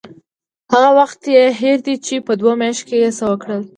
هغه وخت یې هېر دی چې په دوو میاشتو کې یې څه وکړل.